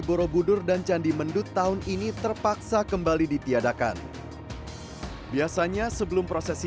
borobudur dan candi mendut tahun ini terpaksa kembali ditiadakan biasanya sebelum prosesi